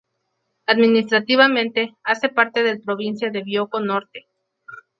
Administrativamente hace parte del provincia de Bioko Norte.